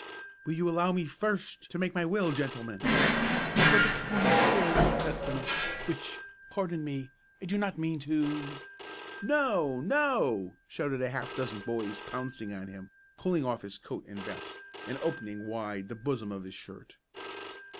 "Will you allow me first to make my will, gentlemen? 'Let but the commons hear this testament, which, pardon me, I do not mean to '" "No! no!" shouted a half dozen boys, pouncing on him, pulling off his coat and vest, and opening wide the bosom of his shirt.